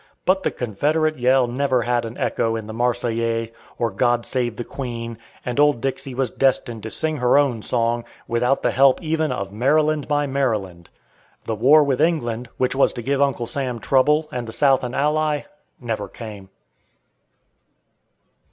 But the "Confederate yell" never had an echo in the "Marseillaise," or "God save the Queen;" and Old Dixie was destined to sing her own song, without the help even of "Maryland, my Maryland." The "war with England," which was to give Uncle Sam trouble and the South an ally, never came.